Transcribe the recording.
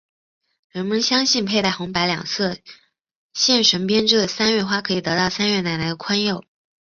人们相信佩戴红白两色线绳编织的三月花可以得到三月奶奶的宽宥。